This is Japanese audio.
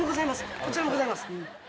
こちらもございます！